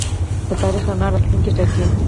د تاریخ رڼا راتلونکی ټاکي.